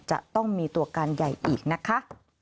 จะต้องมีตัวการใหญ่อีกนะคะ